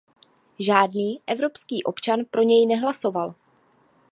Žádný evropský občan pro něj nehlasoval.